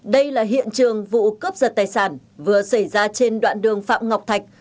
đây là hiện trường vụ cướp giật tài sản vừa xảy ra trên đoạn đường phạm ngọc thạch